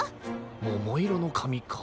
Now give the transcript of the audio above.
ももいろのかみか。